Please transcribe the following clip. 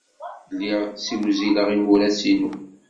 Lliɣ ssiwzileɣ imuras-inu.